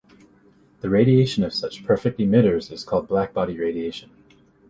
The radiation of such perfect emitters is called black-body radiation.